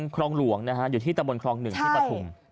ครองหลวงนะคะอยู่ที่ตำบลครองหนึ่งที่ปฐม